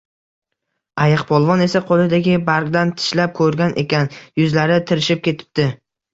Ayiqpolvon esa qo’lidagi bargdan tishlab ko’rgan ekan, yuzlari tirishib ketibdi